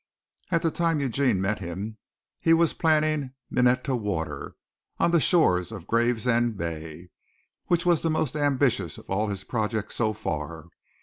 At the time Eugene met him, he was planning Minetta Water on the shores of Gravesend Bay, which was the most ambitious of all his projects so far.